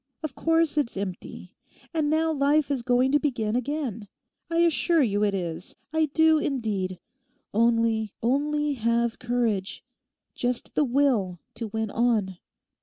Of course it's empty. And now life is going to begin again. I assure you it is, I do indeed. Only, only have courage—just the will to win on.